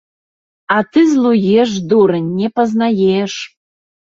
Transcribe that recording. А ты злуеш, дурань, не пазнаеш!